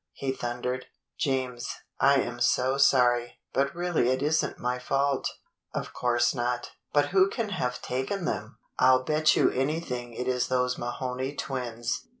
he thundered. "James, I am so sorry, but really it is n't my fault." "Of course not. But who can have taken them.? I'll bet you anything it is those Mahoney twins.